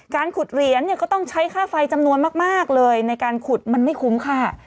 ขุดเหรียญเนี่ยก็ต้องใช้ค่าไฟจำนวนมากเลยในการขุดมันไม่คุ้มค่า